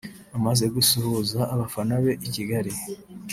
Amaze gusuhuza abafana be i Kigali